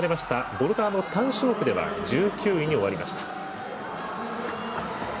ボルダーの単種目では１９位に終わりました。